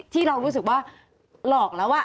ที่เรารู้สึกว่าหลอกแล้ว